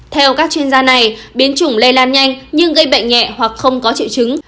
theo các chuyên gia này biến chủng lây lan nhanh nhưng gây bệnh nhẹ hoặc không có triệu chứng